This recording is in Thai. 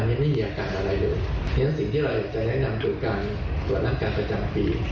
ยังไม่มีอาการอะไรเลยอย่างนั้นสิ่งที่เราอยากจะแนะนำคือการตรวจนัดการประจำปี